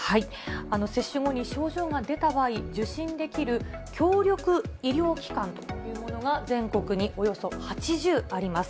接種後に症状が出た場合、受診できる協力医療機関というものが、全国におよそ８０あります。